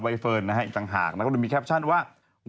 กระเทยเก่งกว่าเออแสดงความเป็นเจ้าข้าว